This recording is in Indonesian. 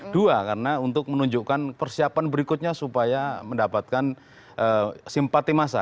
dua karena untuk menunjukkan persiapan berikutnya supaya mendapatkan simpati masa